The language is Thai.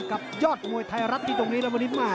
กับยอดมวยไทรัศน์อยู่ตรงนี้แล้วมานิดหน่า